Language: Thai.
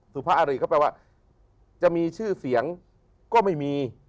สุภาอาริก็แปลว่าจะมีชื่อเสียงก็ไม่มี